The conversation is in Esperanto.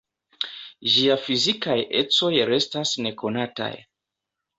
Ĝia fizikaj ecoj restas nekonataj.